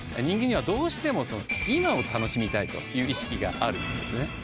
人間にはどうしても今を楽しみたいという意識があるんですね。